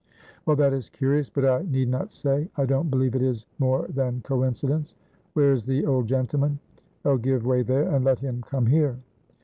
"Well, that is curious, but I need not say I don't believe it is more than coincidence. Where is the old gentleman? Oh! give way there, and let him come here."